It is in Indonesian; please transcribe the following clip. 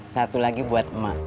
satu lagi buat emak